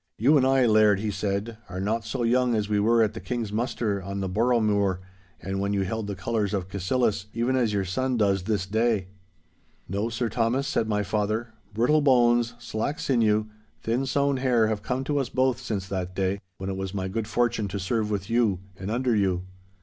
'You and I, Laird,' he said, 'are not so young as we were at the King's muster on the Boroughmuir, and when you held the colours of Cassillis, even as your son does this day.' 'No, Sir Thomas,' said my father, 'brittle bones, slack sinew, thin sown hair have come to us both since that day, when it was my good fortune to serve with you and under you.